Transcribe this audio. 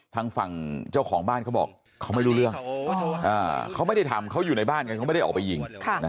ทางฝั่งเจ้าของบ้านเขาบอกเขาไม่รู้เรื่องเขาไม่ได้ทำเขาอยู่ในบ้านกันเขาไม่ได้ออกไปยิง